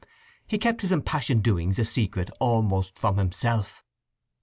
He kept his impassioned doings a secret almost from himself.